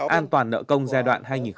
an toàn nợ cho các nhà nước